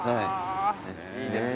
いいですね